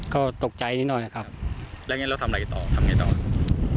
ก็ตกใจนิดหน่อยครับแล้วงั้นเราทำอะไรต่อทำยังไงต่อครับ